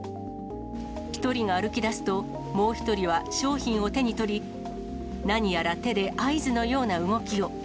１人が歩きだすと、もう１人は商品を手に取り、何やら手で合図のような動きを。